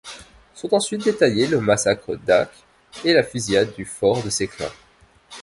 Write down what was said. Sont ensuite détaillés le massacre d'Ascq et la fusillade du Fort de Seclin.